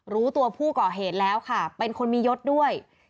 รู้ตัวผู้ก่อเหตุแล้วค่ะเป็นคนมียศด้วย